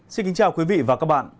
xin kính chào quý vị và các bạn